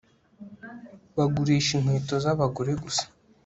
Bagurisha inkweto zabagore gusa